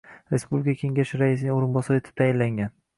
Respublika kengashi raisining o'rinbosari etib tayinlangan.